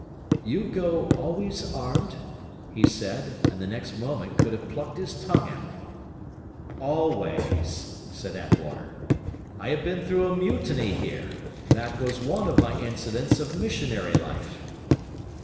'You go always armed?' he said, and the next moment could have plucked his tongue out. 'Always,' said Attwater. 'I have been through a mutiny here; that was one of my incidents of missionary life.'